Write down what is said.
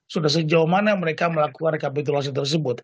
sudah sejauh mana mereka melakukan rekapitulasi tersebut